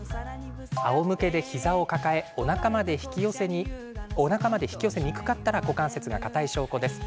あおむけで膝を抱えおなかまで引き寄せにくかったら股関節が硬い証拠です。